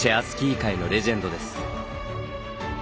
スキー界のレジェンドです。